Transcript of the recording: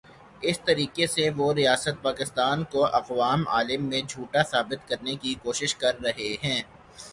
اس طریقے سے وہ ریاست پاکستان کو اقوام عالم میں جھوٹا ثابت کرنے کی کوشش کررہے ہیں۔